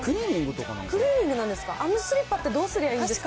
クリーニングなんですか？